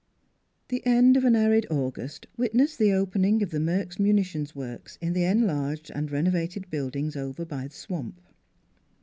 XX THE end of an arid August witnessed the opening of the Merks Munitions Works in the enlarged and renovated buildings over by the swamp.